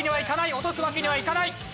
落とすわけにはいかない。